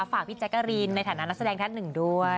ฝากพี่แจ๊กกะรีนในฐานะนักแสดงท่านหนึ่งด้วย